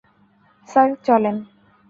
Sir, চলেন।